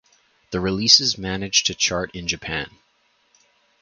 The releases managed to chart in Japan.